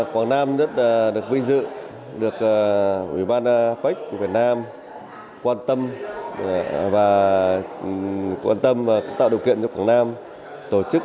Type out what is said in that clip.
quảng nam rất được vi dự được ubnd apec việt nam quan tâm và tạo điều kiện cho quảng nam tổ chức